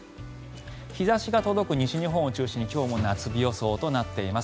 日差しが届く西日本を中心に今日も夏日予想となっています。